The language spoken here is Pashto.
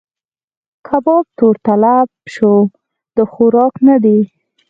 کباب تور تلب شو؛ د خوراک نه دی.